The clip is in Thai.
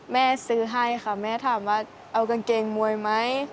แม่ซื้อให้ค่ะแม่ถามว่าเอากางเกงมวยไหม